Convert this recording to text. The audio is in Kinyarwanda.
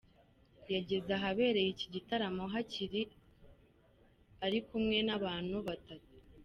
Yageze ahabereye iki gitaramo hakiri ari kumwe n’abantu batatu,.